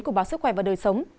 của báo sức khỏe và đời sống